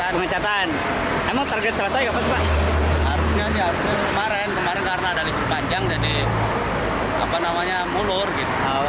kemarang karena ada libur panjang jadi apa namanya mulur gitu